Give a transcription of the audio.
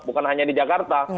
bukan hanya di jakarta